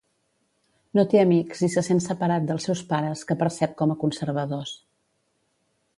No té amics i se sent separat dels seus pares que percep com a conservadors.